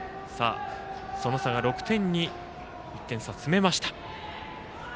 その差を６点に点差を詰めました。